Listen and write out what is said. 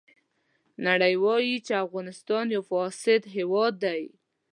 نړۍ وایي چې افغانستان یو فاسد هېواد دی.